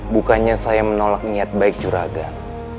bukannya saya menolak niat baik juragan